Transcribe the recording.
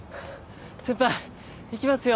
先輩行きますよ。